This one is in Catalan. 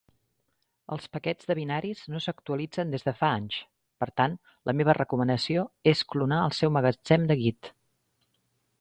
Els paquets de binaris no s'actualitzen des de fa anys, per tant la meva recomanació és clonar el seu magatzem de git.